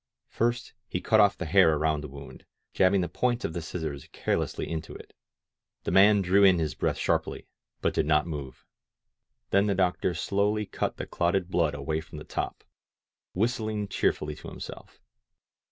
First he cut off the hair around the wound, jabbing the points of the scissors carelessly into it. The man drew in his breath sharply, but did 22 THE LION OF DURANGO AT HOME not move. Then the doctor slowly cut the clotted blood away from the top, whistling cheerfuUy to himself.